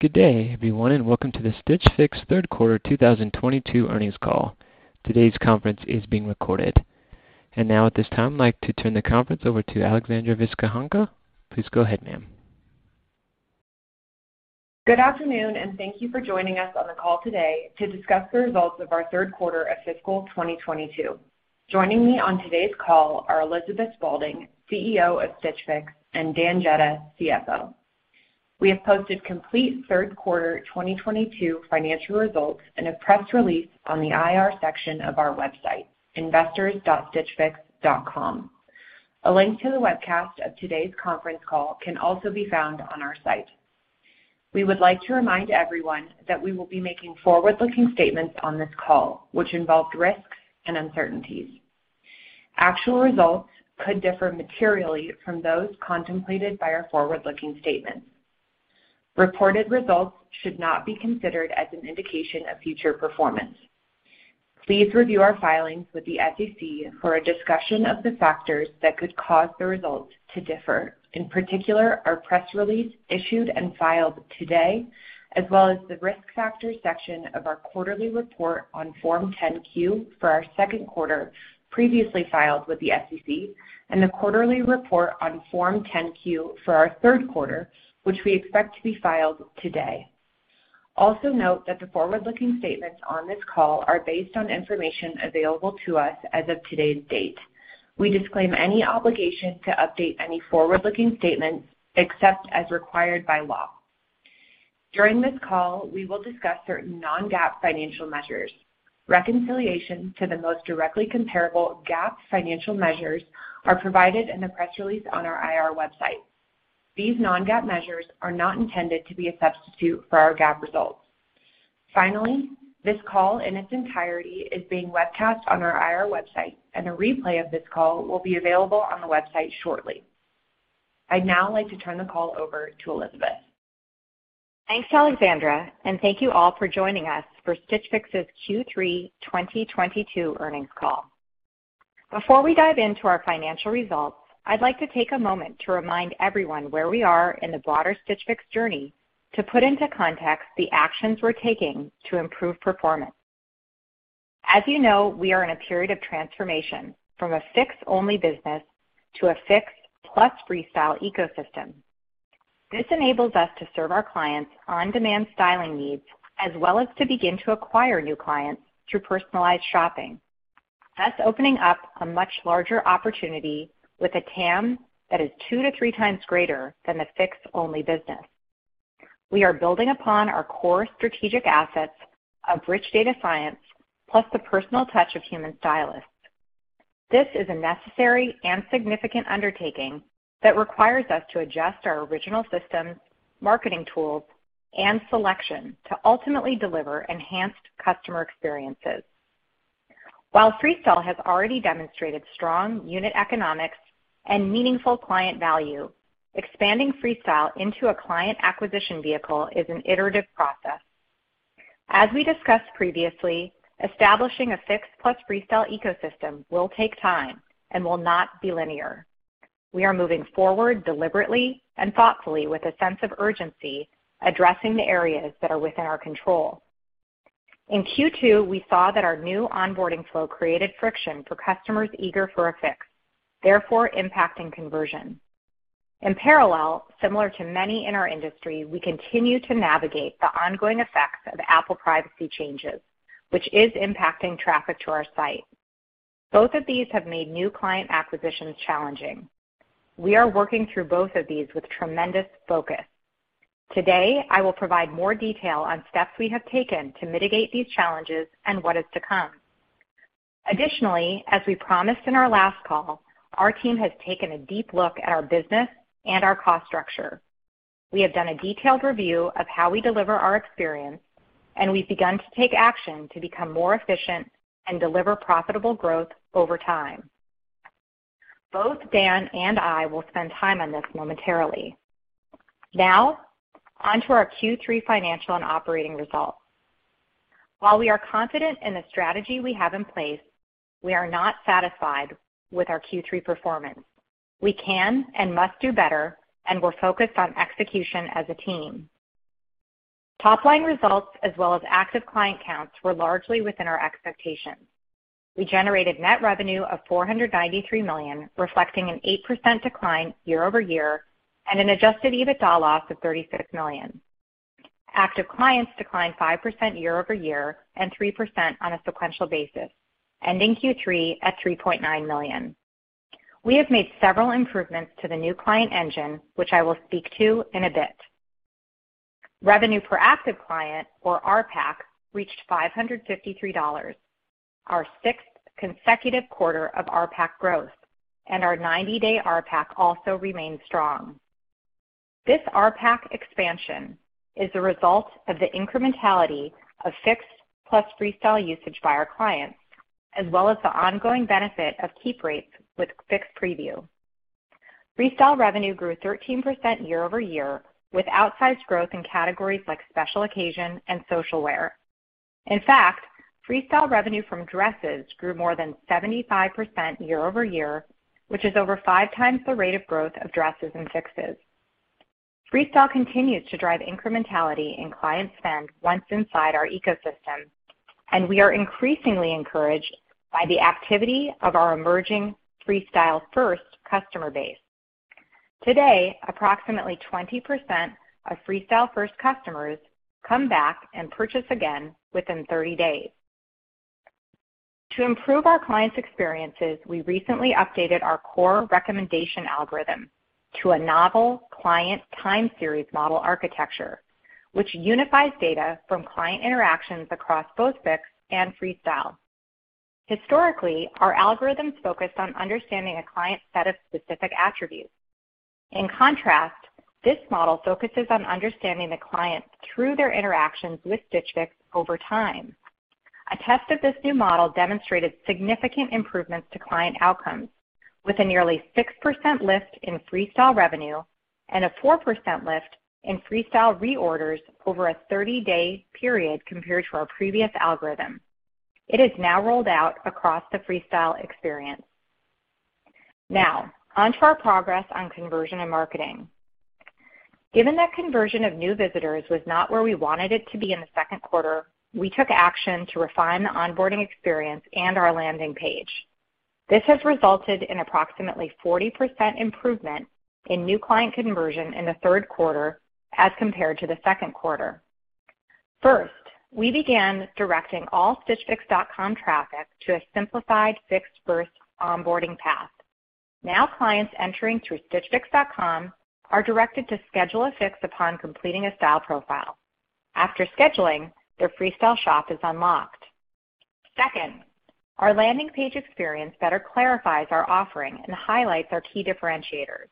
Good day, everyone, and welcome to the Stitch Fix Q3 2022 earnings call. Today's conference is being recorded. Now at this time, I'd like to turn the conference over to Alexandra Viski-Hanka. Please go ahead, ma'am. Good afternoon, and thank you for joining us on the call today to discuss the results of our Q3 of fiscal 2022. Joining me on today's call are Elizabeth Spaulding, CEO of Stitch Fix, and Dan Jedda, CFO. We have posted complete Q3 2022 financial results in a press release on the IR section of our website, investors.stitchfix.com. A link to the webcast of today's conference call can also be found on our site. We would like to remind everyone that we will be making forward-looking statements on this call, which involve risks and uncertainties. Actual results could differ materially from those contemplated by our forward-looking statements. Reported results should not be considered as an indication of future performance. Please review our filings with the SEC for a discussion of the factors that could cause the results to differ, in particular, our press release issued and filed today, as well as the Risk Factors section of our quarterly report on Form 10-Q for our Q2 previously filed with the SEC and the quarterly report on Form 10-Q for our Q3, which we expect to be filed today. Also note that the forward-looking statements on this call are based on information available to us as of today's date. We disclaim any obligation to update any forward-looking statements except as required by law. During this call, we will discuss certain non-GAAP financial measures. Reconciliation to the most directly comparable GAAP financial measures are provided in the press release on our IR website. These non-GAAP measures are not intended to be a substitute for our GAAP results. Finally, this call in its entirety is being webcast on our IR website, and a replay of this call will be available on the website shortly. I'd now like to turn the call over to Elizabeth. Thanks, Alexandra, and thank you all for joining us for Stitch Fix's Q3 2022 earnings call. Before we dive into our financial results, I'd like to take a moment to remind everyone where we are in the broader Stitch Fix journey to put into context the actions we're taking to improve performance. As you know, we are in a period of transformation from a Fix-only business to a Fix plus Freestyle ecosystem. This enables us to serve our clients' on-demand styling needs as well as to begin to acquire new clients through personalized shopping. That's opening up a much larger opportunity with a TAM that is 2 to 3 times greater than the Fix-only business. We are building upon our core strategic assets of rich data science, plus the personal touch of human stylists. This is a necessary and significant undertaking that requires us to adjust our original systems, marketing tools, and selection to ultimately deliver enhanced customer experiences. While Freestyle has already demonstrated strong unit economics and meaningful client value, expanding Freestyle into a client acquisition vehicle is an iterative process. As we discussed previously, establishing a Fix plus Freestyle ecosystem will take time and will not be linear. We are moving forward deliberately and thoughtfully with a sense of urgency, addressing the areas that are within our control. In Q2, we saw that our new onboarding flow created friction for customers eager for a Fix, therefore impacting conversion. In parallel, similar to many in our industry, we continue to navigate the ongoing effects of Apple privacy changes, which is impacting traffic to our site. Both of these have made new client acquisitions challenging. We are working through both of these with tremendous focus. Today, I will provide more detail on steps we have taken to mitigate these challenges and what is to come. Additionally, as we promised in our last call, our team has taken a deep look at our business and our cost structure. We have done a detailed review of how we deliver our experience, and we've begun to take action to become more efficient and deliver profitable growth over time. Both Dan and I will spend time on this momentarily. Now, on to our Q3 financial and operating results. While we are confident in the strategy we have in place, we are not satisfied with our Q3 performance. We can and must do better, and we're focused on execution as a team. Topline results, as well as active client counts, were largely within our expectations. We generated net revenue of $493 million, reflecting an 8% decline year-over-year and an adjusted EBITDA loss of $36 million. Active clients declined 5% year-over-year and 3% on a sequential basis, ending Q3 at 3.9 million. We have made several improvements to the new client engine, which I will speak to in a bit. Revenue per active client or RPAC reached $553, our sixth consecutive quarter of RPAC growth, and our 90-day RPAC also remains strong. This RPAC expansion is the result of the incrementality of Fix plus Freestyle usage by our clients, as well as the ongoing benefit of keep rates with Fix Preview. Freestyle revenue grew 13% year-over-year, with outsized growth in categories like special occasion and social wear. In fact, Freestyle revenue from Dresses grew more than 75% year-over-year, which is over 5 times the rate of growth of Dresses in Fixes. Freestyle continues to drive incrementality in client spend once inside our ecosystem, and we are increasingly encouraged by the activity of our emerging Freestyle-first customer base. To date, approximately 20% of Freestyle-first customers come back and purchase again within 30 days. To improve our clients' experiences, we recently updated our core recommendation algorithm to a novel client time series model architecture, which unifies data from client interactions across both Fix and Freestyle. Historically, our algorithms focused on understanding a client's set of specific attributes. In contrast, this model focuses on understanding the clients through their interactions with Stitch Fix over time. A test of this new model demonstrated significant improvements to client outcomes with a nearly 6% lift in Freestyle revenue and a 4% lift in Freestyle reorders over a 30-day period compared to our previous algorithm. It is now rolled out across the Freestyle experience. Now, on to our progress on conversion and marketing. Given that conversion of new visitors was not where we wanted it to be in the Q2, we took action to refine the onboarding experience and our landing page. This has resulted in approximately 40% improvement in new client conversion in the Q3 as compared to the Q2. First, we began directing all stitchfix.com traffic to a simplified Fix-first onboarding path. Now, clients entering through stitchfix.com are directed to schedule a Fix upon completing a style profile. After scheduling, their Freestyle Shop is unlocked. Second, our landing page experience better clarifies our offering and highlights our key differentiators.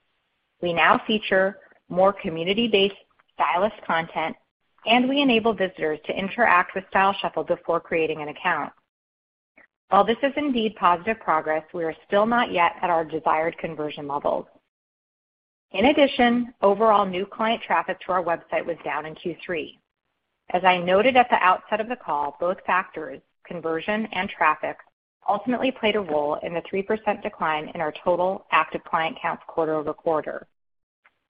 We now feature more community-based stylist content, and we enable visitors to interact with Style Shuffle before creating an account. While this is indeed positive progress, we are still not yet at our desired conversion levels. In addition, overall new client traffic to our website was down in Q3. As I noted at the outset of the call, both factors, conversion and traffic, ultimately played a role in the 3% decline in our total active client counts quarter-over-quarter.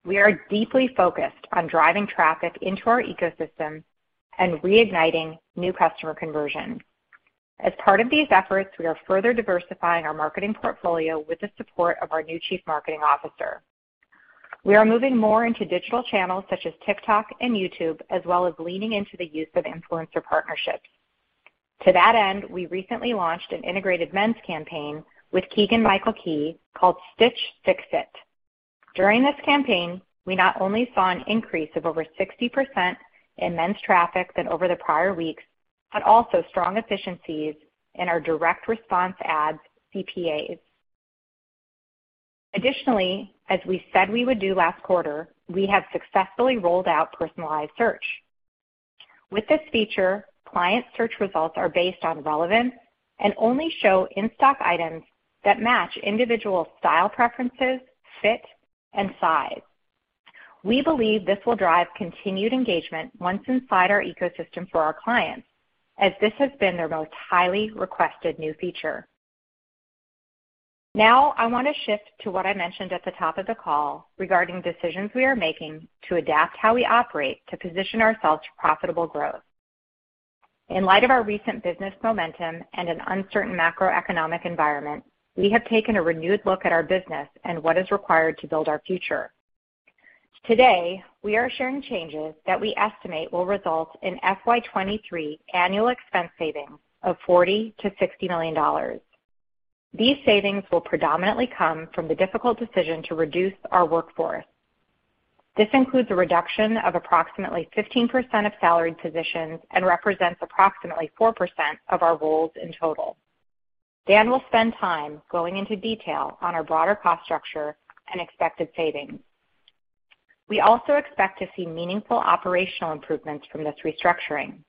We are deeply focused on driving traffic into our ecosystem and reigniting new customer conversion. As part of these efforts, we are further diversifying our marketing portfolio with the support of our new chief marketing officer. We are moving more into digital channels such as TikTok and YouTube, as well as leaning into the use of influencer partnerships. To that end, we recently launched an integrated men's campaign with Keegan-Michael Key called Stitch Fix It. During this campaign, we not only saw an increase of over 60% in men's traffic than over the prior weeks, but also strong efficiencies in our direct response ads CPAs. Additionally, as we said we would do last quarter, we have successfully rolled out personalized search. With this feature, client search results are based on relevance and only show in-stock items that match individual style preferences, fit, and size. We believe this will drive continued engagement once inside our ecosystem for our clients, as this has been their most highly requested new feature. Now, I wanna shift to what I mentioned at the top of the call regarding decisions we are making to adapt how we operate to position ourselves for profitable growth. In light of our recent business momentum and an uncertain macroeconomic environment, we have taken a renewed look at our business and what is required to build our future. Today, we are sharing changes that we estimate will result in fiscal 2023 annual expense savings of $40 million-$60 million. These savings will predominantly come from the difficult decision to reduce our workforce. This includes a reduction of approximately 15% of salaried positions and represents approximately 4% of our roles in total. Dan will spend time going into detail on our broader cost structure and expected savings. We also expect to see meaningful operational improvements from this restructuring.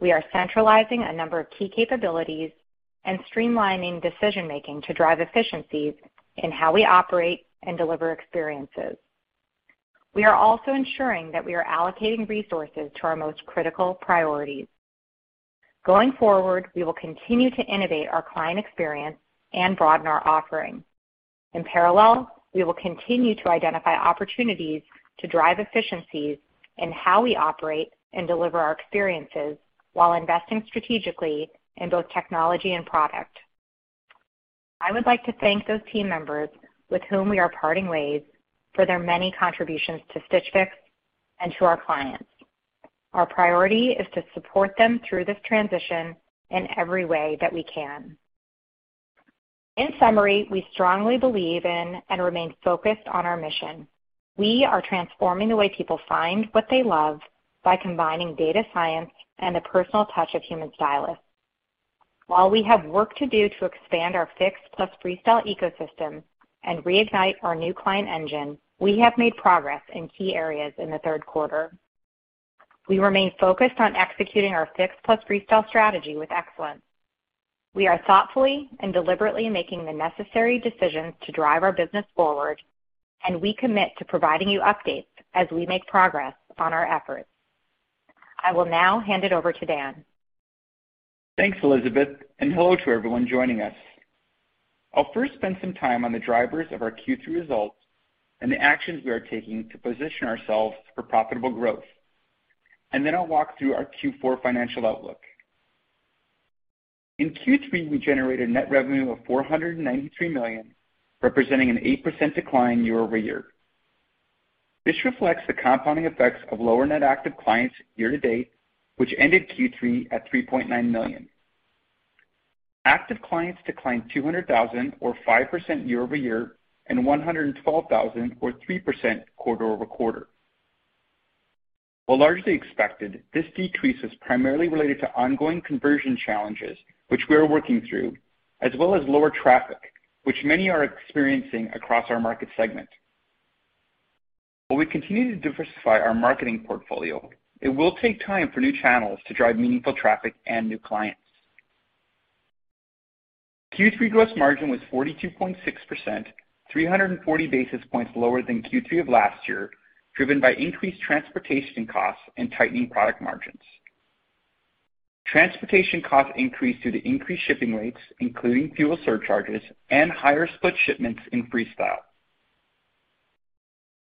We are centralizing a number of key capabilities and streamlining decision-making to drive efficiencies in how we operate and deliver experiences. We are also ensuring that we are allocating resources to our most critical priorities. Going forward, we will continue to innovate our client experience and broaden our offering. In parallel, we will continue to identify opportunities to drive efficiencies in how we operate and deliver our experiences while investing strategically in both technology and product. I would like to thank those team members with whom we are parting ways for their many contributions to Stitch Fix and to our clients. Our priority is to support them through this transition in every way that we can. In summary, we strongly believe in and remain focused on our mission. We are transforming the way people find what they love by combining data science and the personal touch of human stylists. While we have work to do to expand our Fix plus Freestyle ecosystem and reignite our new client engine, we have made progress in key areas in the Q3. We remain focused on executing our Fix plus Freestyle strategy with excellence. We are thoughtfully and deliberately making the necessary decisions to drive our business forward, and we commit to providing you updates as we make progress on our efforts. I will now hand it over to Dan. Thanks, Elizabeth, and hello to everyone joining us. I'll first spend some time on the drivers of our Q3 results and the actions we are taking to position ourselves for profitable growth. Then I'll walk through our Q4 financial outlook. In Q3, we generated net revenue of $493 million, representing an 8% decline year-over-year. This reflects the compounding effects of lower net active clients year-to-date, which ended Q3 at 3.9 million. Active clients declined 200,000 or 5% year-over-year, and 112,000 or 3% quarter-over-quarter. While largely expected, this decrease is primarily related to ongoing conversion challenges, which we are working through, as well as lower traffic, which many are experiencing across our market segment. While we continue to diversify our marketing portfolio, it will take time for new channels to drive meaningful traffic and new clients. Q3 gross margin was 42.6%, 340 basis points lower than Q3 of last year, driven by increased transportation costs and tightening product margins. Transportation costs increased due to increased shipping rates, including fuel surcharges and higher split shipments in Freestyle.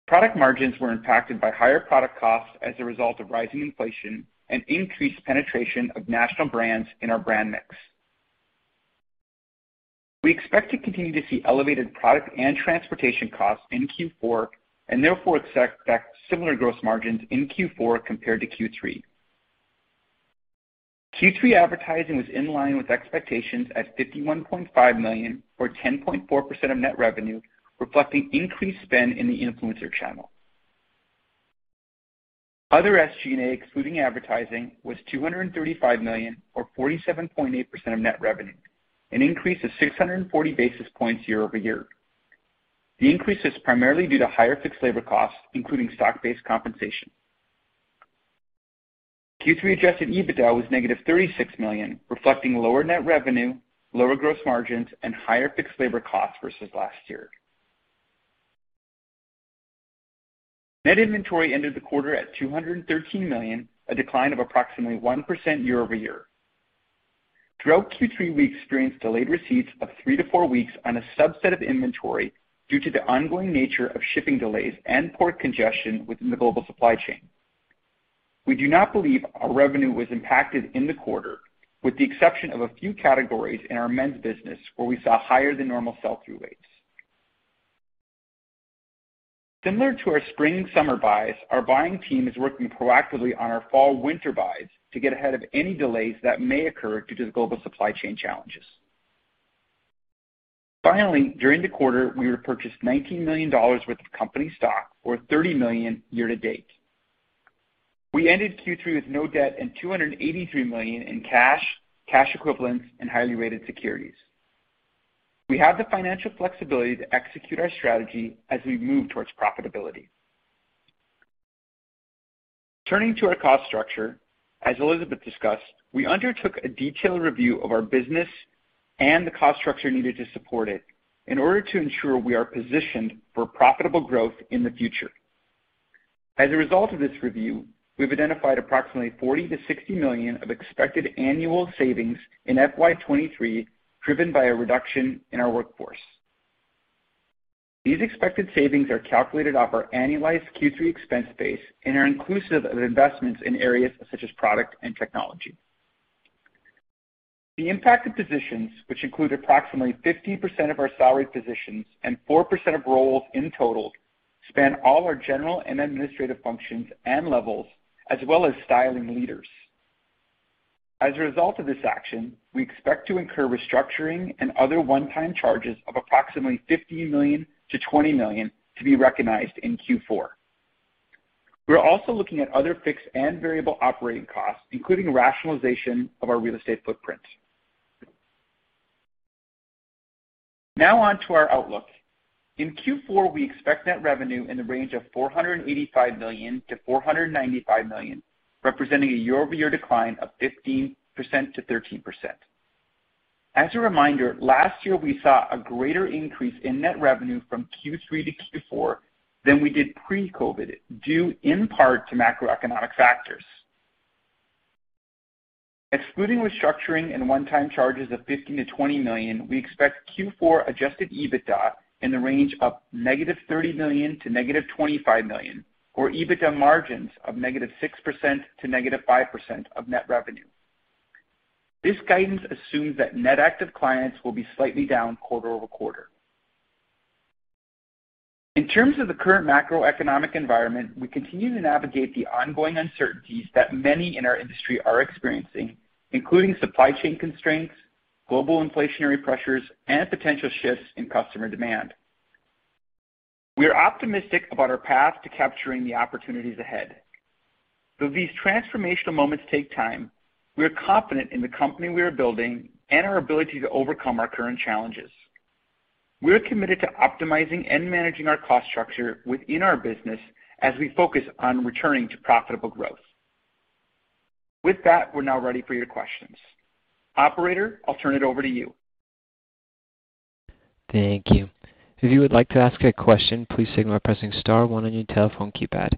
Product margins were impacted by higher product costs as a result of rising inflation and increased penetration of national brands in our brand mix. We expect to continue to see elevated product and transportation costs in Q4, and therefore expect similar gross margins in Q4 compared to Q3. Q3 advertising was in line with expectations at $51.5 million or 10.4% of net revenue, reflecting increased spend in the influencer channel. Other SG&A excluding advertising was $235 million or 47.8% of net revenue, an increase of 640 basis points year-over-year. The increase is primarily due to higher fixed labor costs, including stock-based compensation. Q3 adjusted EBITDA was negative $36 million, reflecting lower net revenue, lower gross margins, and higher fixed labor costs versus last year. Net inventory ended the quarter at $213 million, a decline of approximately 1% year-over-year. Throughout Q3, we experienced delayed receipts of 3-4 weeks on a subset of inventory due to the ongoing nature of shipping delays and port congestion within the global supply chain. We do not believe our revenue was impacted in the quarter, with the exception of a few categories in our men's business, where we saw higher than normal sell-through rates. Similar to our spring/summer buys, our buying team is working proactively on our fall/winter buys to get ahead of any delays that may occur due to the global supply chain challenges. Finally, during the quarter, we repurchased $19 million worth of company stock, or $30 million year-to-date. We ended Q3 with no debt and $283 million in cash equivalents, and highly rated securities. We have the financial flexibility to execute our strategy as we move towards profitability. Turning to our cost structure, as Elizabeth discussed, we undertook a detailed review of our business and the cost structure needed to support it in order to ensure we are positioned for profitable growth in the future. As a result of this review, we've identified approximately $40 million-$60 million of expected annual savings in fiscal 2023, driven by a reduction in our workforce. These expected savings are calculated off our annualized Q3 expense base and are inclusive of investments in areas such as product and technology. The impacted positions, which include approximately 50% of our salaried positions and 4% of roles in total, span all our general and administrative functions and levels, as well as styling leaders. As a result of this action, we expect to incur restructuring and other one-time charges of approximately $15 million to $20 million to be recognized in Q4. We're also looking at other fixed and variable operating costs, including rationalization of our real estate footprint. Now on to our outlook. In Q4, we expect net revenue in the range of $485 million-$495 million, representing a year-over-year decline of 15%-13%. As a reminder, last year, we saw a greater increase in net revenue from Q3 to Q4 than we did pre-COVID, due in part to macroeconomic factors. Excluding restructuring and one-time charges of $15-$20 million, we expect Q4 adjusted EBITDA in the range of -$30 million to -$25 million, or EBITDA margins of -6% to -5% of net revenue. This guidance assumes that net active clients will be slightly down quarter-over-quarter. In terms of the current macroeconomic environment, we continue to navigate the ongoing uncertainties that many in our industry are experiencing, including supply chain constraints, global inflationary pressures, and potential shifts in customer demand. We are optimistic about our path to capturing the opportunities ahead. Though these transformational moments take time, we are confident in the company we are building and our ability to overcome our current challenges. We're committed to optimizing and managing our cost structure within our business as we focus on returning to profitable growth. With that, we're now ready for your questions. Operator, I'll turn it over to you. Thank you. If you would like to ask a question, please signal by pressing star one on your telephone keypad.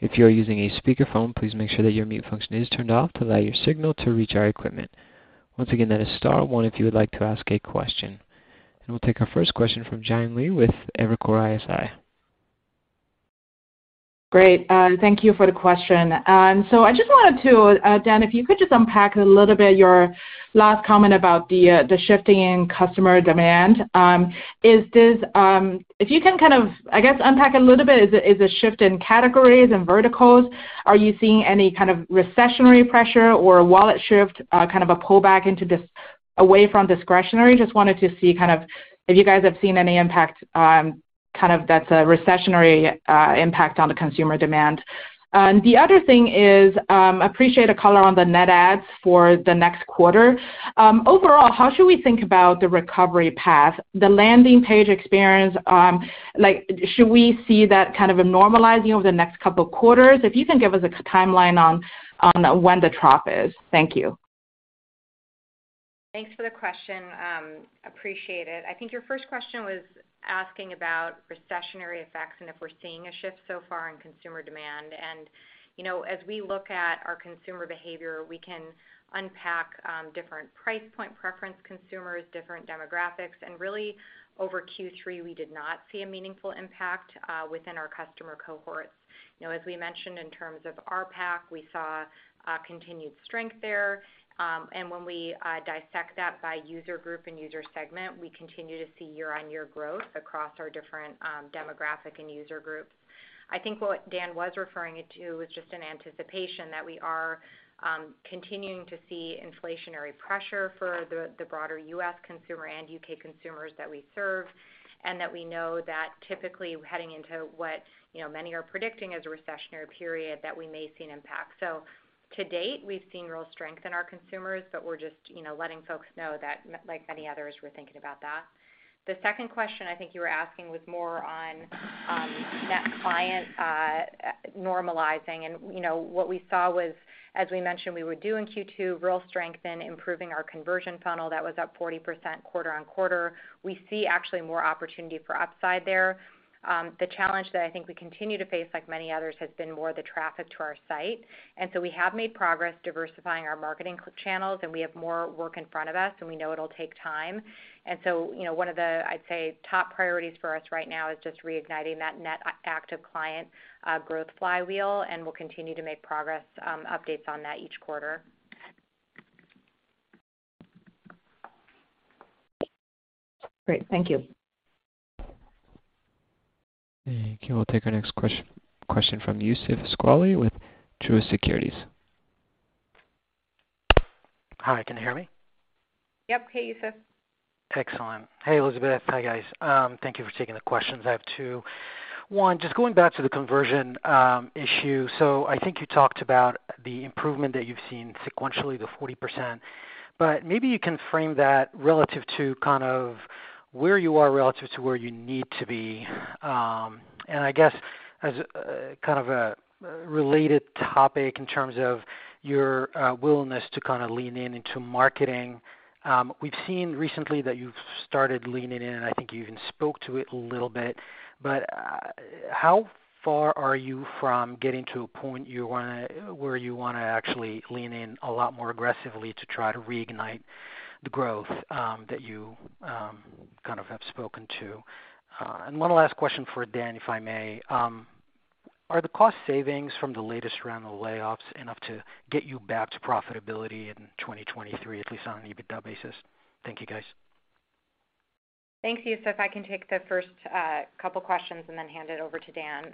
If you're using a speakerphone, please make sure that your mute function is turned off to allow your signal to reach our equipment. Once again, that is star one if you would like to ask a question. We'll take our first question from Jian Li with Evercore ISI. Great. Thank you for the question. I just wanted to, Dan, if you could just unpack a little bit your last comment about the shifting in customer demand. If you can kind of, I guess, unpack a little bit, is it shift in categories and verticals? Are you seeing any kind of recessionary pressure or wallet shift, kind of a pullback into this away from discretionary? Just wanted to see kind of if you guys have seen any impact, kind of that's a recessionary impact on the consumer demand. The other thing is, appreciate a color on the net adds for the next quarter. Overall, how should we think about the recovery path? The landing page experience, like should we see that kind of normalizing over the next couple quarters? If you can give us a timeline on when the trough is? Thank you. Thanks for the question. Appreciate it. I think your first question was asking about recessionary effects and if we're seeing a shift so far in consumer demand. You know, as we look at our consumer behavior, we can unpack different price point preference consumers, different demographics, and really over Q3, we did not see a meaningful impact within our customer cohorts. You know, as we mentioned in terms of RPAC, we saw continued strength there. When we dissect that by user group and user segment, we continue to see year-on-year growth across our different demographic and user groups. I think what Dan Jedda was referring it to was just an anticipation that we are continuing to see inflationary pressure for the broader U.S. consumer and U.K. consumers that we serve, and that we know that typically heading into what, you know, many are predicting as a recessionary period, that we may see an impact. To date, we've seen real strength in our consumers, but we're just, you know, letting folks know that like many others, we're thinking about that. The second question I think you were asking was more on net client normalizing. You know, what we saw was, as we mentioned we were doing in Q2, real strength in improving our conversion funnel that was up 40% quarter-over-quarter. We see actually more opportunity for upside there. The challenge that I think we continue to face, like many others, has been more the traffic to our site. We have made progress diversifying our marketing channels, and we have more work in front of us, and we know it'll take time. You know, one of the, I'd say, top priorities for us right now is just reigniting that net active client growth flywheel, and we'll continue to make progress, updates on that each quarter. Great. Thank you. Okay, we'll take our next question from Youssef Squali with Truist Securities. Hi, can you hear me? Yep. Hey, Youssef. Excellent. Hey, Elizabeth. Hi, guys. Thank you for taking the questions. I have two. One, just going back to the conversion issue. I think you talked about the improvement that you've seen sequentially, the 40%. Maybe you can frame that relative to kind of where you are relative to where you need to be. I guess as kind of a related topic in terms of your willingness to kind of lean into marketing. We've seen recently that you've started leaning in, and I think you even spoke to it a little bit. How far are you from getting to a point where you wanna actually lean in a lot more aggressively to try to reignite the growth that you kind of have spoken to? One last question for Dan, if I may. Are the cost savings from the latest round of layoffs enough to get you back to profitability in 2023, at least on an EBITDA basis? Thank you, guys. Thanks, Youssef. I can take the first couple questions and then hand it over to Dan.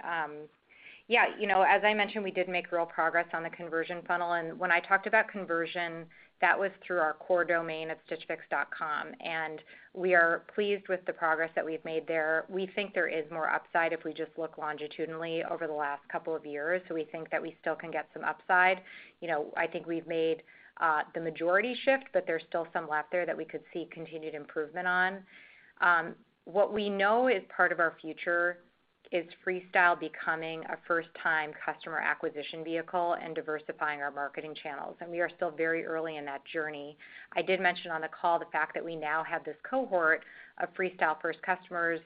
Yeah, you know, as I mentioned, we did make real progress on the conversion funnel. When I talked about conversion, that was through our core domain at stitchfix.com, and we are pleased with the progress that we've made there. We think there is more upside if we just look longitudinally over the last couple of years. We think that we still can get some upside. You know, I think we've made the majority shift, but there's still some left there that we could see continued improvement on. What we know is part of our future is Freestyle becoming a first-time customer acquisition vehicle and diversifying our marketing channels, and we are still very early in that journey. I did mention on the call the fact that we now have this cohort of Freestyle first customers.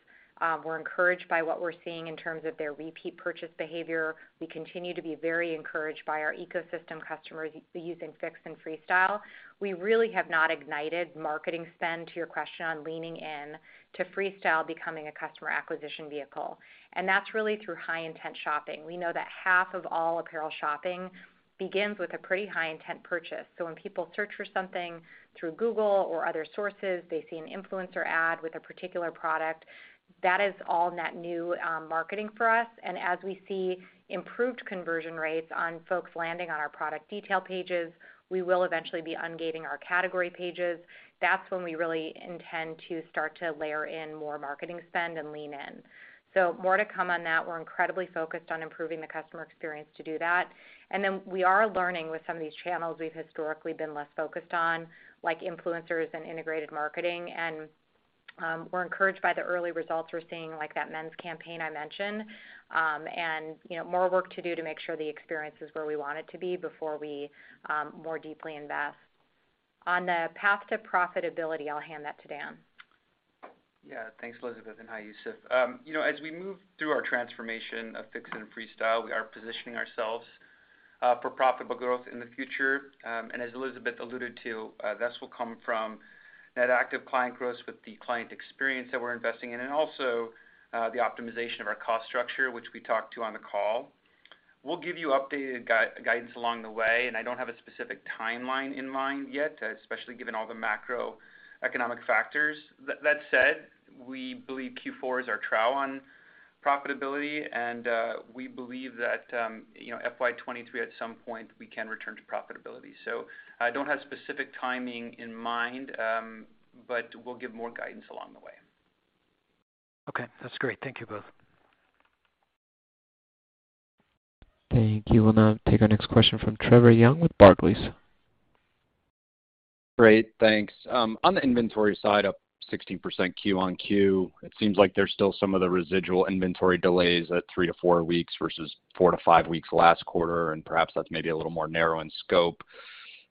We're encouraged by what we're seeing in terms of their repeat purchase behavior. We continue to be very encouraged by our ecosystem customers using Fix and Freestyle. We really have not ignited marketing spend, to your question, on leaning in to Freestyle becoming a customer acquisition vehicle, and that's really through high-intent shopping. We know that half of all apparel shopping begins with a pretty high-intent purchase. When people search for something through Google or other sources, they see an influencer ad with a particular product, that is all net new marketing for us. As we see improved conversion rates on folks landing on our product detail pages, we will eventually be ungating our category pages. That's when we really intend to start to layer in more marketing spend and lean in. More to come on that. We're incredibly focused on improving the customer experience to do that. Then we are learning with some of these channels we've historically been less focused on, like influencers and integrated marketing. We're encouraged by the early results we're seeing, like that men's campaign I mentioned. You know, more work to do to make sure the experience is where we want it to be before we more deeply invest. On the path to profitability, I'll hand that to Dan. Yeah. Thanks, Elizabeth, and hi, Youssef. You know, as we move through our transformation of Fix and Freestyle, we are positioning ourselves for profitable growth in the future. As Elizabeth alluded to, this will come from net active client growth with the client experience that we're investing in, and also the optimization of our cost structure, which we talked to on the call. We'll give you updated guidance along the way, and I don't have a specific timeline in mind yet, especially given all the macroeconomic factors. That said, we believe Q4 is our trough on profitability, and we believe that you know, fiscal 2023, at some point, we can return to profitability. I don't have specific timing in mind, but we'll give more guidance along the way. Okay. That's great. Thank you both. Thank you. We'll now take our next question from Trevor Young with Barclays. Great. Thanks. On the inventory side, up 16% Q-on-Q, it seems like there's still some of the residual inventory delays at 3-4 weeks versus 4-5 weeks last quarter, and perhaps that's maybe a little more narrow in scope.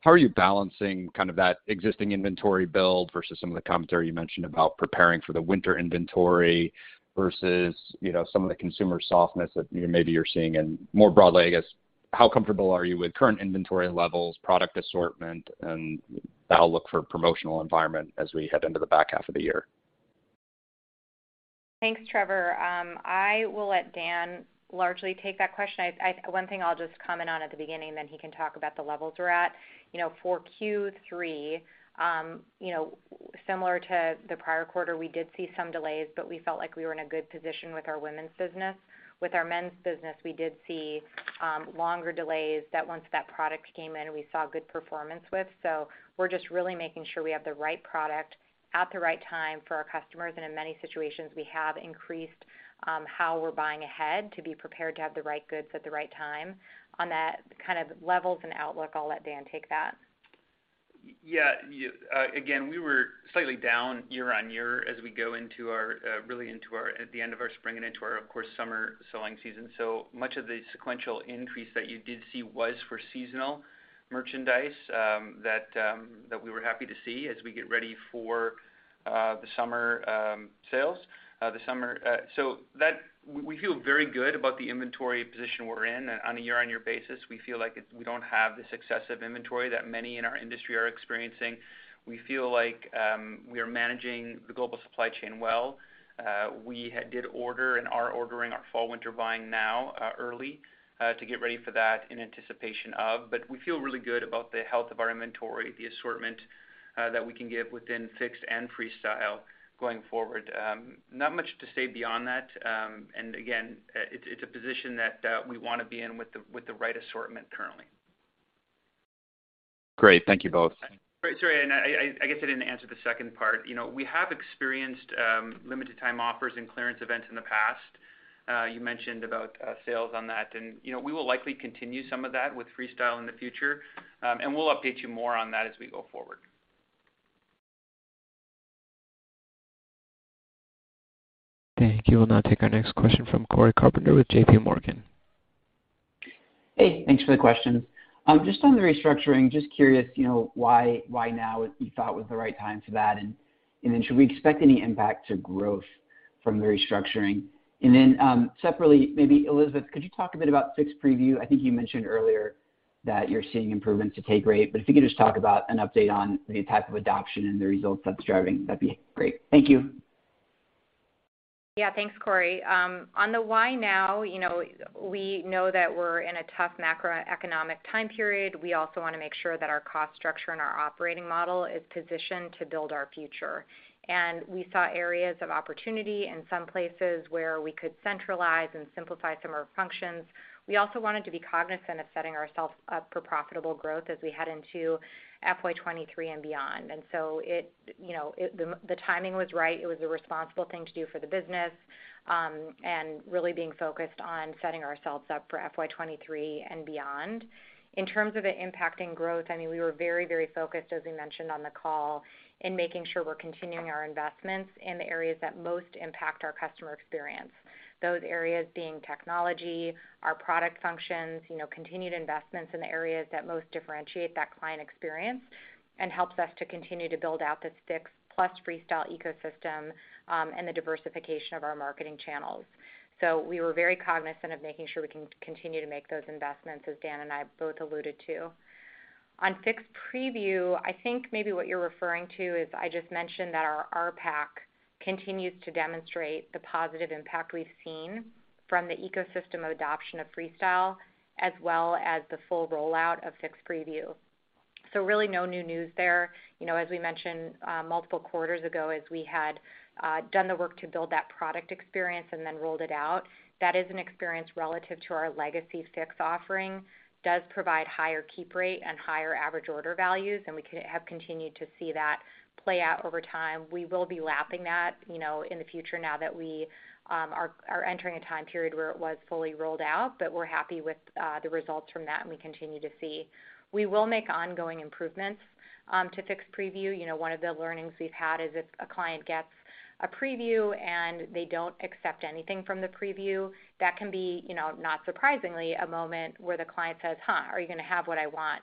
How are you balancing kind of that existing inventory build versus some of the commentary you mentioned about preparing for the winter inventory versus, you know, some of the consumer softness that, you know, maybe you're seeing? More broadly, I guess, how comfortable are you with current inventory levels, product assortment, and the outlook for promotional environment as we head into the back half of the year? Thanks, Trevor. I will let Dan largely take that question. One thing I'll just comment on at the beginning, then he can talk about the levels we're at. You know, for Q3, you know, similar to the prior quarter, we did see some delays, but we felt like we were in a good position with our women's business. With our men's business, we did see longer delays that once that product came in, we saw good performance with. We're just really making sure we have the right product at the right time for our customers. In many situations, we have increased how we're buying ahead to be prepared to have the right goods at the right time. On that kind of levels and outlook, I'll let Dan take that. Again, we were slightly down year-on-year as we go into our at the end of our spring and into our, of course, summer selling season. So much of the sequential increase that you did see was for seasonal merchandise that we were happy to see as we get ready for the summer sales. We feel very good about the inventory position we're in on a year-on-year basis. We feel like we don't have this excessive inventory that many in our industry are experiencing. We feel like we are managing the global supply chain well. We did order and are ordering our fall/winter buying now, early, to get ready for that in anticipation of. We feel really good about the health of our inventory, the assortment, that we can give within Fix and Freestyle going forward. Not much to say beyond that. Again, it's a position that we wanna be in with the right assortment currently. Great. Thank you both. Sorry. I guess I didn't answer the second part. You know, we have experienced limited time offers and clearance events in the past. You mentioned about sales on that. You know, we will likely continue some of that with Freestyle in the future. We'll update you more on that as we go forward. Thank you. We'll now take our next question from Cory Carpenter with JPMorgan. Hey. Thanks for the question. Just on the restructuring, just curious, you know, why now you thought was the right time for that? Should we expect any impact to growth from the restructuring? Separately, maybe Elizabeth, could you talk a bit about Fix Preview? I think you mentioned earlier that you're seeing improvements to take rate, but if you could just talk about an update on the type of adoption and the results that's driving, that'd be great. Thank you. Yeah. Thanks, Cory. On the why now, you know, we know that we're in a tough macroeconomic time period. We also wanna make sure that our cost structure and our operating model is positioned to build our future. We saw areas of opportunity in some places where we could centralize and simplify some of our functions. We also wanted to be cognizant of setting ourselves up for profitable growth as we head into fiscal 2023 and beyond. You know, the timing was right. It was the responsible thing to do for the business, and really being focused on setting ourselves up for fiscal 2023 and beyond. In terms of it impacting growth, I mean, we were very, very focused, as we mentioned on the call, in making sure we're continuing our investments in the areas that most impact our customer experience. Those areas being technology, our product functions, you know, continued investments in the areas that most differentiate that client experience and helps us to continue to build out this Fix plus Freestyle ecosystem, and the diversification of our marketing channels. We were very cognizant of making sure we can continue to make those investments, as Dan and I both alluded to. On Fix Preview, I think maybe what you're referring to is I just mentioned that our RPAC continues to demonstrate the positive impact we've seen from the ecosystem adoption of Freestyle, as well as the full rollout of Fix Preview. Really no new news there. You know, as we mentioned, multiple quarters ago as we had done the work to build that product experience and then rolled it out, that is an experience relative to our legacy Fix offering, does provide higher keep rate and higher average order values, and we have continued to see that play out over time. We will be lapping that, you know, in the future now that we are entering a time period where it was fully rolled out, but we're happy with the results from that, and we continue to see. We will make ongoing improvements to Fix Preview. You know, one of the learnings we've had is if a client gets a preview and they don't accept anything from the preview, that can be, you know, not surprisingly, a moment where the client says, "Huh, are you gonna have what I want?"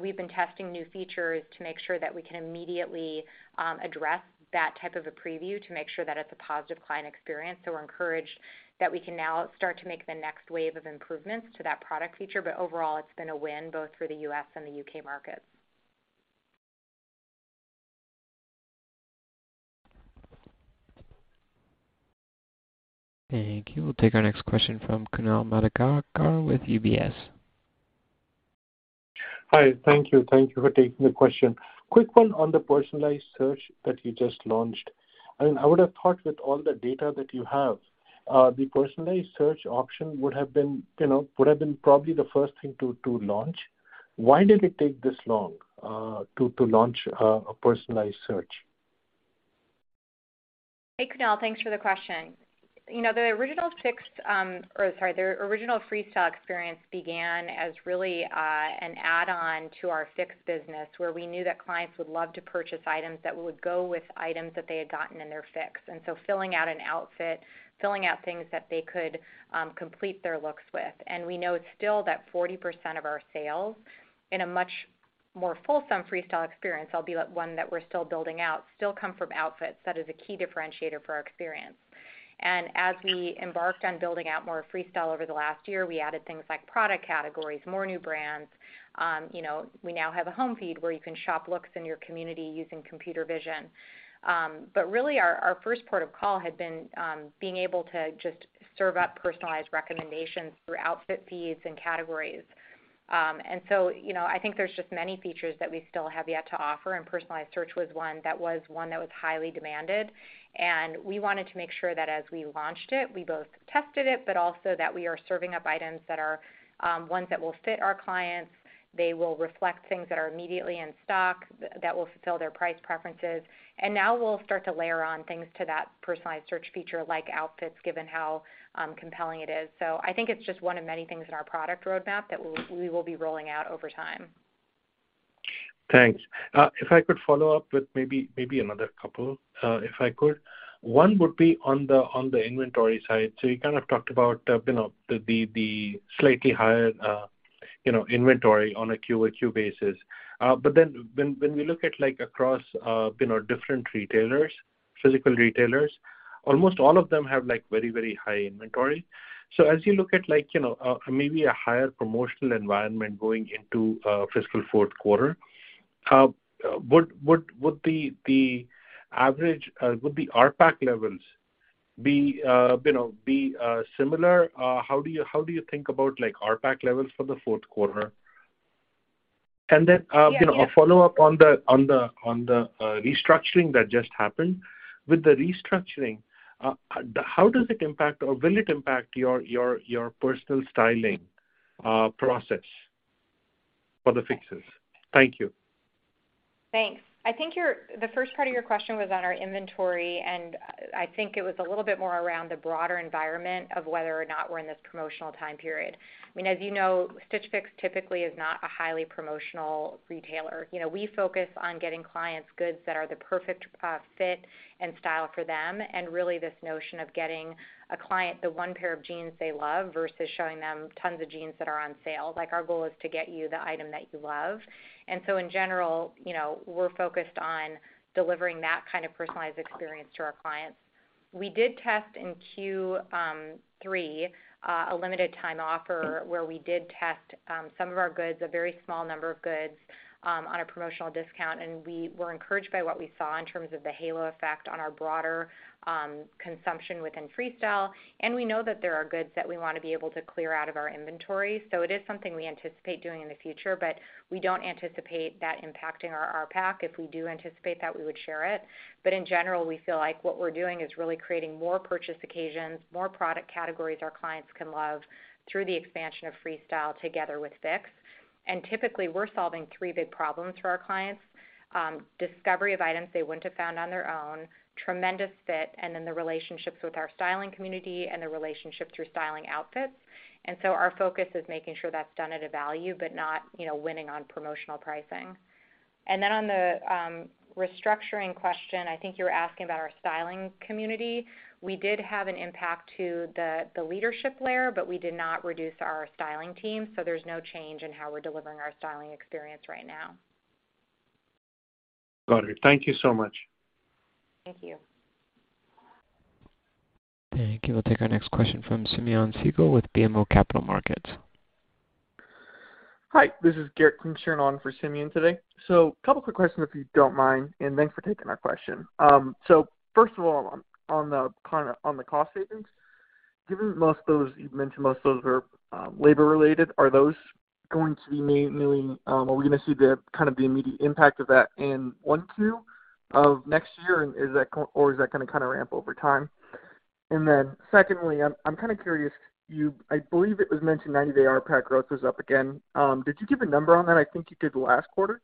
We've been testing new features to make sure that we can immediately, address that type of a preview to make sure that it's a positive client experience. We're encouraged that we can now start to make the next wave of improvements to that product feature, but overall, it's been a win both for the U.S. and the U.K. markets. Thank you. We'll take our next question from Kunal Madhukar with UBS. Hi. Thank you. Thank you for taking the question. Quick one on the personalized search that you just launched. I would have thought with all the data that you have, the personalized search option would have been, you know, probably the first thing to launch. Why did it take this long to launch a personalized search? Hey, Kunal. Thanks for the question. You know, the original Freestyle experience began as really an add-on to our Fix business, where we knew that clients would love to purchase items that would go with items that they had gotten in their Fix. Filling out an outfit, filling out things that they could complete their looks with. We know still that 40% of our sales in a much more fulsome Freestyle experience, although one that we're still building out, still come from outfits. That is a key differentiator for our experience. As we embarked on building out more Freestyle over the last year, we added things like product categories, more new brands. You know, we now have a home feed where you can shop looks in your community using computer vision. Really our first port of call had been being able to just serve up personalized recommendations through outfit feeds and categories. You know, I think there's just many features that we still have yet to offer, and personalized search was one that was highly demanded. We wanted to make sure that as we launched it, we both tested it, but also that we are serving up items that are ones that will fit our clients. They will reflect things that are immediately in stock that will fulfill their price preferences. Now we'll start to layer on things to that personalized search feature like outfits, given how compelling it is. I think it's just one of many things in our product roadmap that we will be rolling out over time. Thanks. If I could follow up with maybe another couple, if I could. One would be on the inventory side. So you kind of talked about, you know, the slightly higher, you know, inventory on a Q-over-Q basis. But then when we look at like across, you know, different retailers, physical retailers, almost all of them have like very high inventory. So as you look at like, you know, maybe a higher promotional environment going into fiscal Q4, would the RPAC levels be, you know, be similar? How do you think about like RPAC levels for the Q4? You know, a follow-up on the restructuring that just happened. With the restructuring, how does it impact or will it impact your personal styling process for the fixes? Thank you. Thanks. I think your, the first part of your question was on our inventory, and I think it was a little bit more around the broader environment of whether or not we're in this promotional time period. I mean, as you know, Stitch Fix typically is not a highly promotional retailer. You know, we focus on getting clients goods that are the perfect, fit and style for them, and really this notion of getting a client the one pair of jeans they love versus showing them tons of jeans that are on sale. Like, our goal is to get you the item that you love. In general, you know, we're focused on delivering that kind of personalized experience to our clients. We did test in Q3 a limited time offer where we did test some of our goods, a very small number of goods, on a promotional discount, and we were encouraged by what we saw in terms of the halo effect on our broader consumption within Freestyle. We know that there are goods that we wanna be able to clear out of our inventory. It is something we anticipate doing in the future, but we don't anticipate that impacting our RPAC. If we do anticipate that, we would share it. In general, we feel like what we're doing is really creating more purchase occasions, more product categories our clients can love through the expansion of Freestyle together with Fix. Typically, we're solving three big problems for our clients: discovery of items they wouldn't have found on their own, tremendous fit, and then the relationships with our styling community and the relationship through styling outfits. Our focus is making sure that's done at a value, but not, you know, winning on promotional pricing. On the restructuring question, I think you were asking about our styling community. We did have an impact to the leadership layer, but we did not reduce our styling team, so there's no change in how we're delivering our styling experience right now. Got it. Thank you so much. Thank you. Thank you. We'll take our next question from Simeon Siegel with BMO Capital Markets. Hi, this is Garrett Klingshirn on for Simeon today. Couple quick questions, if you don't mind, and thanks for taking our question. First of all, on the cost savings. Given most of those were labor-related, are those going to be mainly, are we gonna see the immediate impact of that in Q1, Q2 of next year? Is that or is that gonna kind of ramp over time? Then secondly, I kinda curious, I believe it was mentioned 90-day RPAC growth was up again. Did you give a number on that? I think you did last quarter.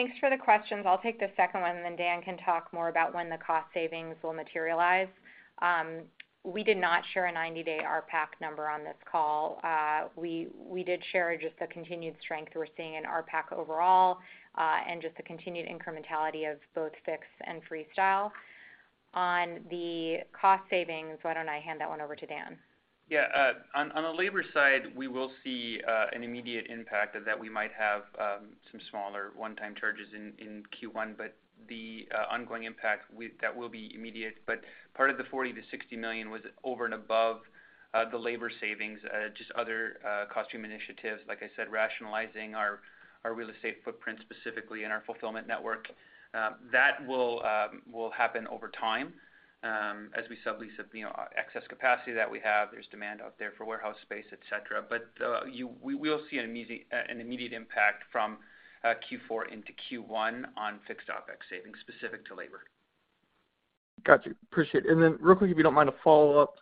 Thanks for the questions. I'll take the second one, and then Dan can talk more about when the cost savings will materialize. We did not share a 90-day RPAC number on this call. We did share just the continued strength we're seeing in RPAC overall, and just the continued incrementality of both Fix and Freestyle. On the cost savings, why don't I hand that one over to Dan? Yeah. On the labor side, we will see an immediate impact that we might have some smaller one-time charges in Q1, but the ongoing impact that will be immediate. Part of the $40 million-$60 million was over and above the labor savings, just other cost-saving initiatives, like I said, rationalizing our real estate footprint, specifically in our fulfillment network. That will happen over time as we sublease, you know, excess capacity that we have. There's demand out there for warehouse space, et cetera. We will see an immediate impact from Q4 into Q1 on fixed OPEX savings specific to labor. Gotcha. Appreciate it. Real quick, if you don't mind a follow-up.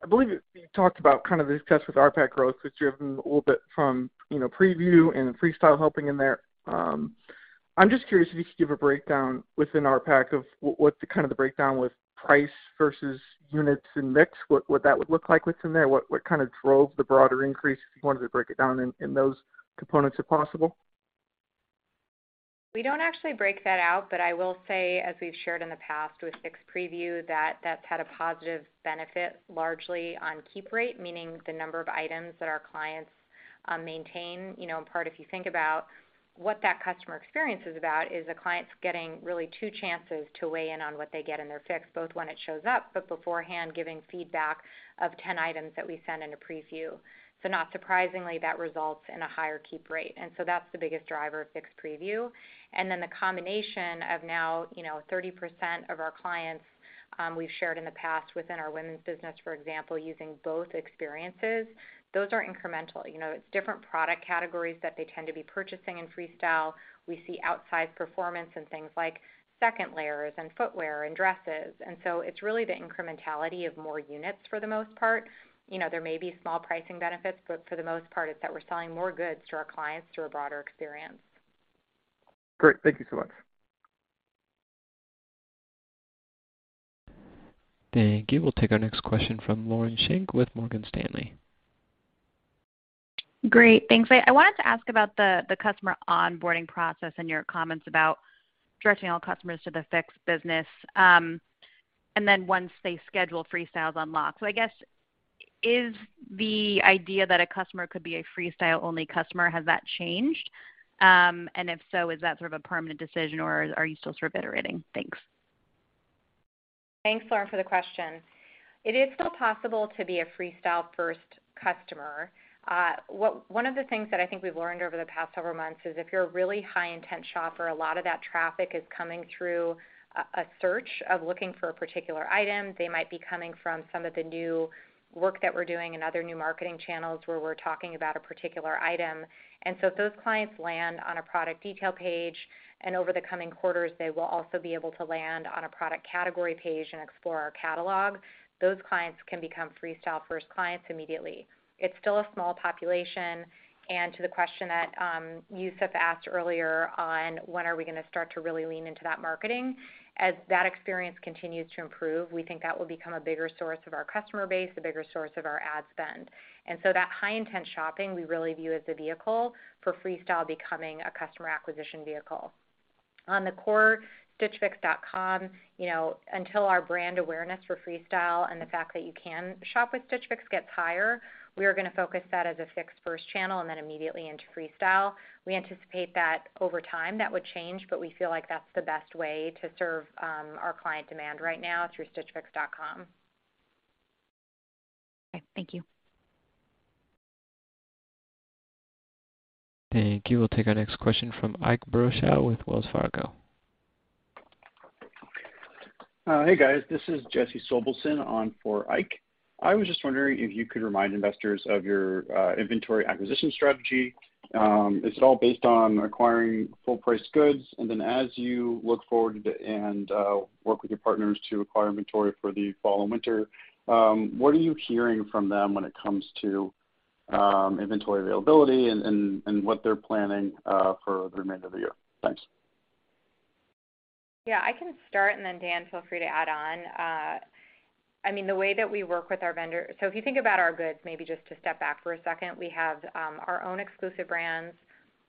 I believe you talked about kind of the success with RPAC growth that's driven a little bit from, you know, Preview and Freestyle helping in there. I'm just curious if you could give a breakdown within RPAC of what the kind of the breakdown with price versus units and mix, what that would look like what's in there? What kind of drove the broader increase, if you wanted to break it down in those components, if possible? We don't actually break that out, but I will say, as we've shared in the past with Fix Preview, that that's had a positive benefit largely on keep rate, meaning the number of items that our clients maintain. You know, in part, if you think about what that customer experience is about, is the client's getting really two chances to weigh in on what they get in their Fix, both when it shows up, but beforehand, giving feedback of 10 items that we send in a preview. Not surprisingly, that results in a higher keep rate. That's the biggest driver of Fix Preview. The combination of now, you know, 30% of our clients, we've shared in the past within our women's business, for example, using both experiences, those are incremental. You know, it's different product categories that they tend to be purchasing in Freestyle. We see outsized performance in things like second layers and footwear and dresses. It's really the incrementality of more units for the most part. You know, there may be small pricing benefits, but for the most part, it's that we're selling more goods to our clients through a broader experience. Great. Thank you so much. Thank you. We'll take our next question from Lauren Schenk with Morgan Stanley. Great. Thanks. I wanted to ask about the customer onboarding process and your comments about directing all customers to the Fix business, and then once they schedule, Freestyle is unlocked. I guess, is the idea that a customer could be a Freestyle-only customer, has that changed? If so, is that sort of a permanent decision or are you still sort of iterating? Thanks. Thanks, Lauren, for the question. It is still possible to be a Freestyle-first customer. One of the things that I think we've learned over the past several months is if you're a really high-intent shopper, a lot of that traffic is coming through a search of looking for a particular item. They might be coming from some of the new work that we're doing in other new marketing channels where we're talking about a particular item. If those clients land on a product detail page, and over the coming quarters, they will also be able to land on a product category page and explore our catalog, those clients can become Freestyle-first clients immediately. It's still a small population, and to the question that Youssef asked earlier on, when are we gonna start to really lean into that marketing? As that experience continues to improve, we think that will become a bigger source of our customer base, a bigger source of our ad spend. That high-intent shopping, we really view as a vehicle for Freestyle becoming a customer acquisition vehicle. On the core stitchfix.com, you know, until our brand awareness for Freestyle and the fact that you can shop with Stitch Fix gets higher, we are gonna focus that as a Fix-first channel and then immediately into Freestyle. We anticipate that over time, that would change, but we feel like that's the best way to serve our client demand right now through stitchfix.com. Okay. Thank you. Thank you. We'll take our next question from Ike Boruchow with Wells Fargo. Hey, guys. This is Jesse Sobelson on for Ike. I was just wondering if you could remind investors of your inventory acquisition strategy. Is it all based on acquiring full price goods? As you look forward and work with your partners to acquire inventory for the fall and winter, what are you hearing from them when it comes to inventory availability and what they're planning for the remainder of the year? Thanks. Yeah, I can start, and then Dan, feel free to add on. I mean, the way that we work with our vendor. So if you think about our goods, maybe just to step back for a second, we have our own exclusive brands.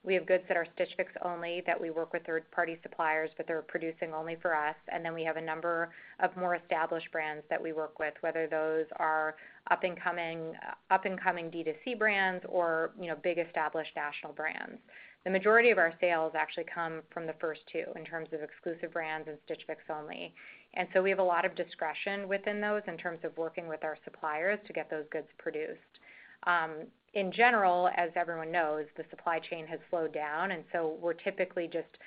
We have goods that are Stitch Fix only that we work with third-party suppliers, but they're producing only for us. We have a number of more established brands that we work with, whether those are up and coming D2C brands or, you know, big established national brands. The majority of our sales actually come from the first two in terms of exclusive brands and Stitch Fix only. We have a lot of discretion within those in terms of working with our suppliers to get those goods produced. In general, as everyone knows, the supply chain has slowed down, and so we're typically just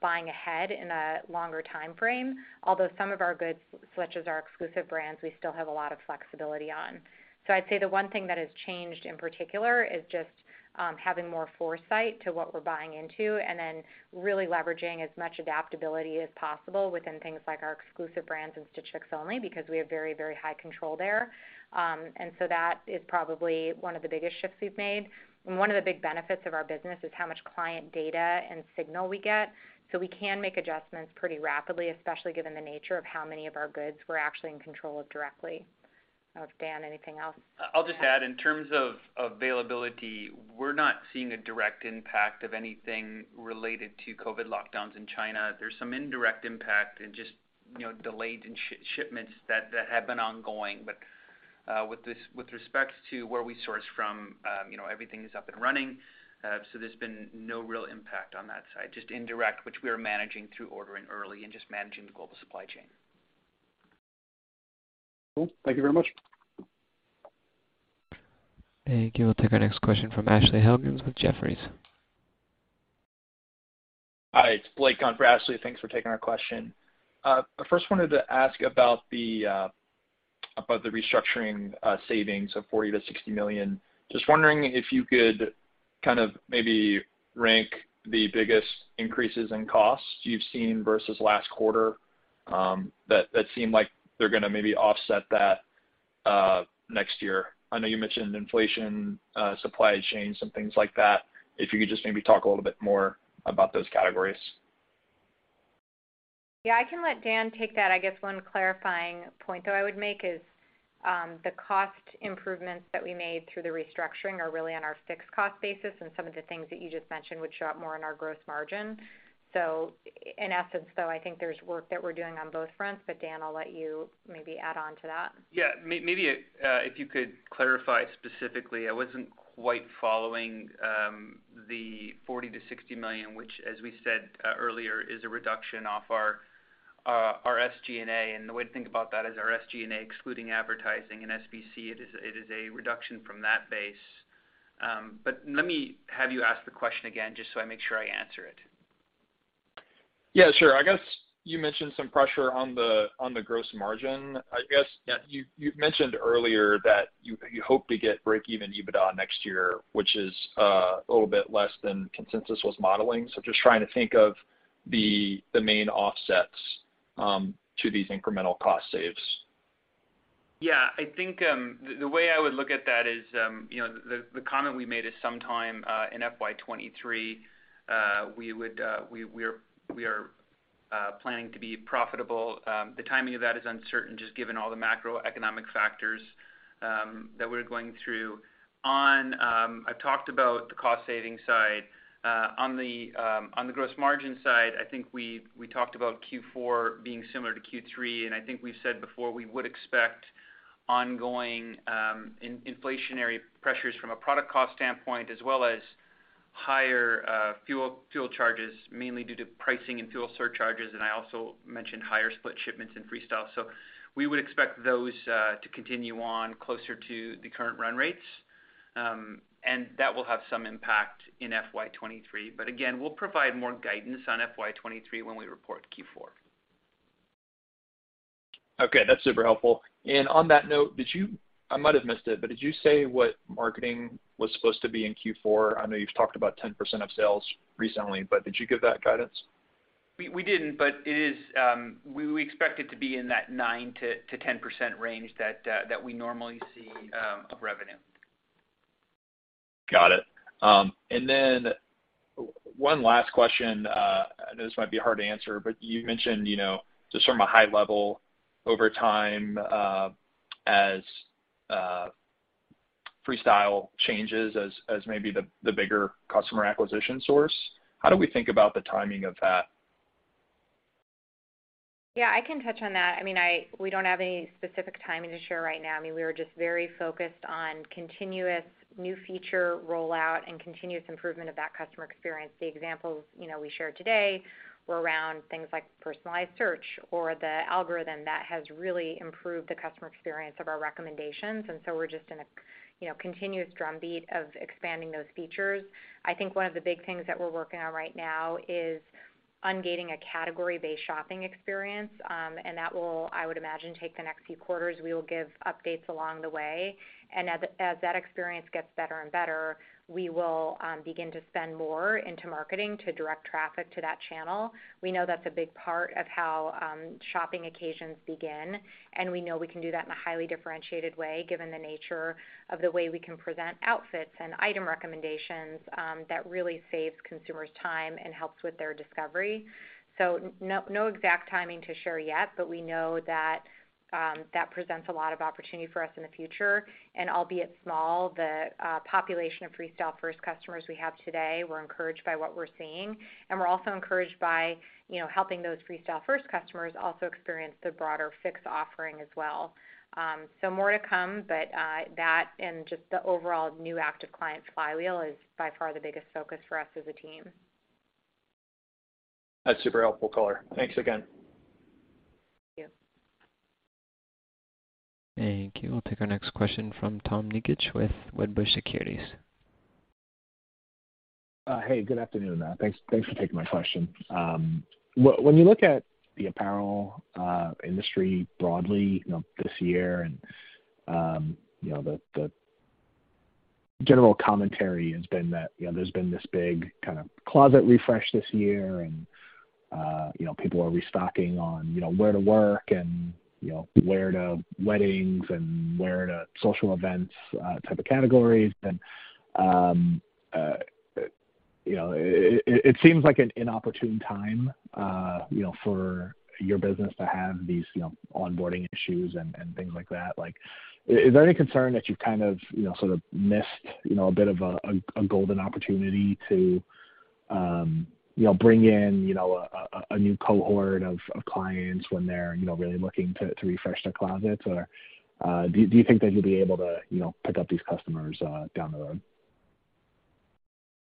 buying ahead in a longer timeframe. Although some of our goods, such as our exclusive brands, we still have a lot of flexibility on. I'd say the one thing that has changed in particular is just having more foresight to what we're buying into, and then really leveraging as much adaptability as possible within things like our exclusive brands and Stitch Fix only because we have very, very high control there. That is probably one of the biggest shifts we've made. One of the big benefits of our business is how much client data and signal we get, so we can make adjustments pretty rapidly, especially given the nature of how many of our goods we're actually in control of directly. I don't know if, Dan, anything else to add? I'll just add, in terms of availability, we're not seeing a direct impact of anything related to COVID lockdowns in China. There's some indirect impact in just, you know, delayed shipments that have been ongoing. With respect to where we source from, you know, everything is up and running. There's been no real impact on that side, just indirect, which we are managing through ordering early and just managing the global supply chain. Cool. Thank you very much. Thank you. We'll take our next question from Ashley Helgans with Jefferies. Hi, it's Blake on for Ashley. Thanks for taking our question. I first wanted to ask about the restructuring savings of $40 million-$60 million. Just wondering if you could kind of maybe rank the biggest increases in costs you've seen versus last quarter, that seem like they're gonna maybe offset that next year. I know you mentioned inflation, supply chains, and things like that. If you could just maybe talk a little bit more about those categories. Yeah, I can let Dan take that. I guess one clarifying point though I would make is, the cost improvements that we made through the restructuring are really on our fixed cost basis, and some of the things that you just mentioned would show up more in our gross margin. In essence though, I think there's work that we're doing on both fronts. Dan, I'll let you maybe add on to that. Yeah. Maybe if you could clarify specifically. I wasn't quite following the $40-$60 million, which, as we said, earlier, is a reduction off our SG&A. The way to think about that is our SG&A, excluding advertising and SBC, it is a reduction from that base. But let me have you ask the question again, just so I make sure I answer it. Yeah, sure. I guess you mentioned some pressure on the gross margin. I guess you've mentioned earlier that you hope to get break-even EBITDA next year, which is a little bit less than consensus was modeling. Just trying to think of the main offsets to these incremental cost saves. Yeah. I think the way I would look at that is, you know, the comment we made is sometime in fiscal 2023, we are planning to be profitable. The timing of that is uncertain just given all the macroeconomic factors that we're going through. On, I've talked about the cost saving side. On the gross margin side, I think we talked about Q4 being similar to Q3, and I think we've said before, we would expect ongoing inflationary pressures from a product cost standpoint, as well as higher fuel charges, mainly due to pricing and fuel surcharges, and I also mentioned higher split shipments in Freestyle. We would expect those to continue on closer to the current run rates, and that will have some impact in fiscal 2023. Again, we'll provide more guidance on fiscal 2023 when we report Q4. Okay. That's super helpful. On that note, did you, I might have missed it, but did you say what marketing was supposed to be in Q4? I know you've talked about 10% of sales recently, but did you give that guidance? We didn't, but it is. We expect it to be in that 9%-10% range that we normally see of revenue. Got it. One last question, I know this might be hard to answer, but you mentioned, you know, just from a high level over time, as Freestyle changes, as maybe the bigger customer acquisition source, how do we think about the timing of that? Yeah, I can touch on that. I mean, we don't have any specific timing to share right now. I mean, we are just very focused on continuous new feature rollout and continuous improvement of that customer experience. The examples, you know, we shared today were around things like personalized search or the algorithm that has really improved the customer experience of our recommendations. We're just in a continuous drumbeat of expanding those features. I think one of the big things that we're working on right now is ungating a category-based shopping experience, and that will, I would imagine, take the next few quarters. We will give updates along the way. As that experience gets better and better, we will begin to spend more into marketing to direct traffic to that channel. We know that's a big part of how shopping occasions begin, and we know we can do that in a highly differentiated way, given the nature of the way we can present outfits and item recommendations that really saves consumers time and helps with their discovery. No exact timing to share yet, but we know that that presents a lot of opportunity for us in the future. Albeit small, the population of Freestyle first customers we have today, we're encouraged by what we're seeing. We're also encouraged by, you know, helping those Freestyle first customers also experience the broader Fix offering as well. More to come, but that and just the overall new active client flywheel is by far the biggest focus for us as a team. That's super helpful color. Thanks again. Thank you. Thank you. We'll take our next question from Tom Nikic with Wedbush Securities. Hey, good afternoon. Thanks for taking my question. When you look at the apparel industry broadly, you know, this year and, you know, the general commentary has been that, you know, there's been this big kind of closet refresh this year and, you know, people are restocking on, you know, wear to work and, you know, wear to weddings and wear to social events, type of categories. You know, it seems like an inopportune time, you know, for your business to have these, you know, onboarding issues and things like that. Like, is there any concern that you've kind of, you know, sort of missed, you know, a bit of a golden opportunity to, you know, bring in, you know, a new cohort of clients when they're, you know, really looking to refresh their closets? Or do you think that you'll be able to, you know, pick up these customers, down the road?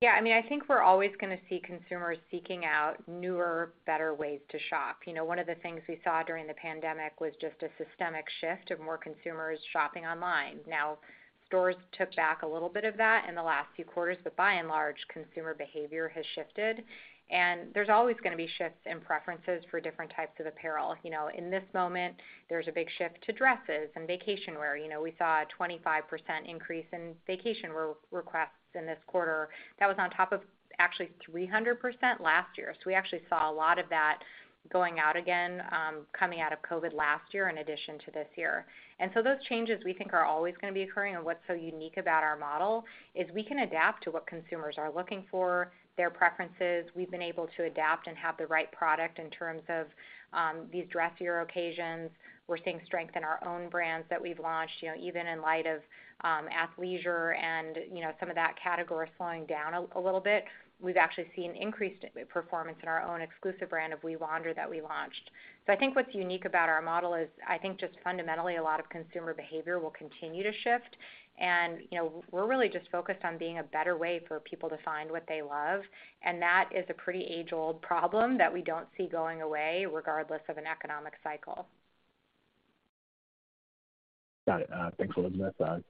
Yeah, I mean, I think we're always gonna see consumers seeking out newer, better ways to shop. You know, one of the things we saw during the pandemic was just a systemic shift of more consumers shopping online. Now, stores took back a little bit of that in the last few quarters, but by and large, consumer behavior has shifted. There's always gonna be shifts in preferences for different types of apparel. You know, in this moment, there's a big shift to dresses and vacation wear. You know, we saw a 25% increase in vacation re-requests in this quarter. That was on top of actually 300% last year. We actually saw a lot of that going out again, coming out of COVID last year in addition to this year. Those changes we think are always gonna be occurring. What's so unique about our model is we can adapt to what consumers are looking for, their preferences. We've been able to adapt and have the right product in terms of these dressier occasions. We're seeing strength in our own brands that we've launched. You know, even in light of athleisure and, you know, some of that category slowing down a little bit, we've actually seen increased performance in our own exclusive brand of We Wander that we launched. I think what's unique about our model is I think just fundamentally a lot of consumer behavior will continue to shift. You know, we're really just focused on being a better way for people to find what they love, and that is a pretty age-old problem that we don't see going away regardless of an economic cycle. Got it. Thanks a lot, Elizabeth.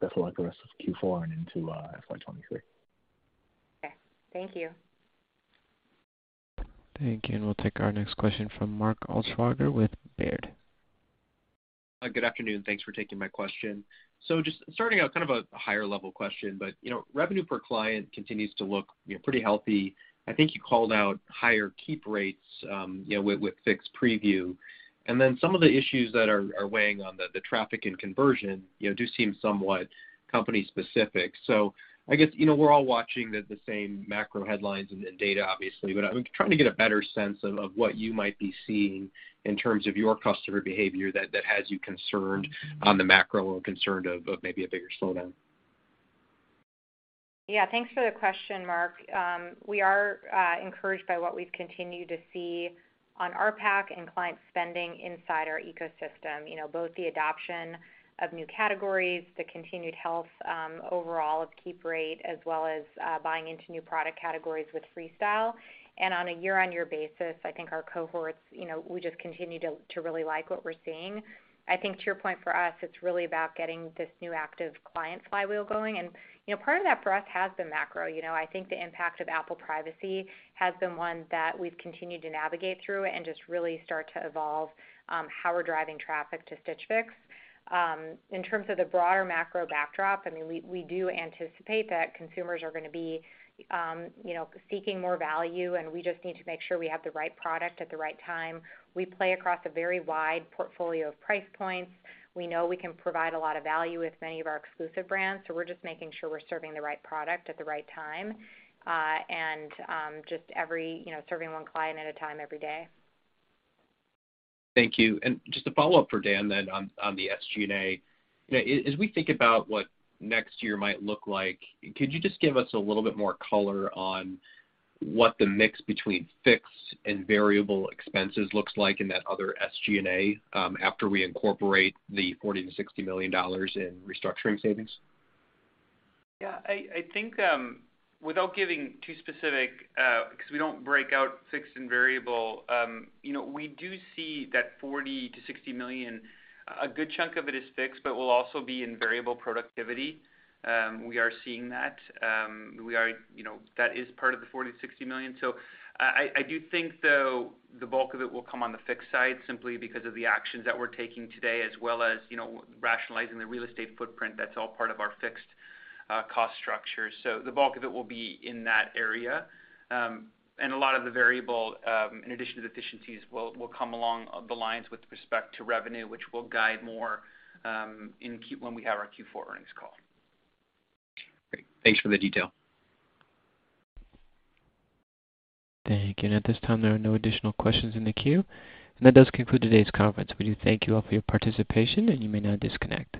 Best of luck the rest of Q4 and into fiscal 2023. Okay. Thank you. Thank you. We'll take our next question from Mark Altschwager with Baird. Good afternoon. Thanks for taking my question. Just starting out kind of a higher level question, but you know, revenue per client continues to look, you know, pretty healthy. I think you called out higher keep rates with Fix Preview. Then some of the issues that are weighing on the traffic and conversion, you do seem somewhat company specific. I guess you know, we're all watching the same macro headlines and data obviously. I'm trying to get a better sense of what you might be seeing in terms of your customer behavior that has you concerned on the macro or concerned of maybe a bigger slowdown. Yeah. Thanks for the question, Mark. We are encouraged by what we've continued to see on RPAC and client spending inside our ecosystem, you know, both the adoption of new categories, the continued health overall of keep rate, as well as buying into new product categories with Freestyle. On a year-on-year basis, I think our cohorts, you know, we just continue to really like what we're seeing. I think to your point, for us, it's really about getting this new active client flywheel going. You know, part of that for us has been macro. You know, I think the impact of Apple Privacy has been one that we've continued to navigate through and just really start to evolve how we're driving traffic to Stitch Fix. In terms of the broader macro backdrop, I mean, we do anticipate that consumers are gonna be, you know, seeking more value, and we just need to make sure we have the right product at the right time. We play across a very wide portfolio of price points. We know we can provide a lot of value with many of our exclusive brands, so we're just making sure we're serving the right product at the right time. Just every, you know, serving one client at a time every day. Thank you. Just a follow-up for Dan then on the SG&A. You know, as we think about what next year might look like, could you just give us a little bit more color on what the mix between fixed and variable expenses looks like in that other SG&A, after we incorporate the $40 million-$60 million in restructuring savings? Yeah. I think, without giving too specific, because we don't break out fixed and variable, you know, we do see that $40 million-$60 million, a good chunk of it is fixed, but will also be in variable productivity. We are seeing that. We are, you know, that is part of the $40 million-$60 million. I do think, though, the bulk of it will come on the fixed side simply because of the actions that we're taking today, as well as, you know, rationalizing the real estate footprint. That's all part of our fixed cost structure. The bulk of it will be in that area. A lot of the variable, in addition to the efficiencies, will come along the lines with respect to revenue, which we'll guide more when we have our Q4 earnings call. Great. Thanks for the detail. Thank you. At this time, there are no additional questions in the queue. That does conclude today's conference. We do thank you all for your participation, and you may now disconnect.